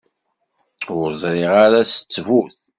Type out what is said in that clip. Ur ẓriɣ ara s ttbut.